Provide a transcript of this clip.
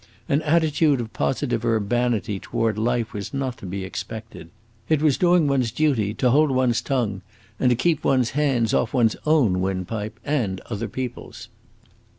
An attitude of positive urbanity toward life was not to be expected; it was doing one's duty to hold one's tongue and keep one's hands off one's own windpipe, and other people's.